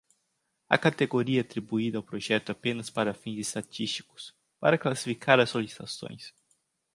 A categoria atribuída ao projeto é apenas para fins estatísticos, para classificar as solicitações.